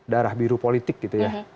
darah biru politik gitu ya